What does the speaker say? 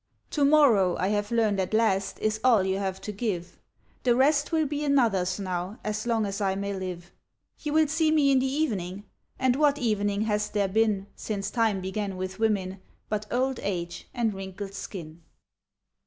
To morrow, I have learned at last, is all you have to give : The rest will be another's now, as long as I may live. You will see me in the evening ?— And what evening has there been. Since time began with women, but old age and wrinkled skin